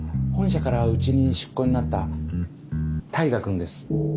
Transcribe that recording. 本社からうちに出向になった大牙君です。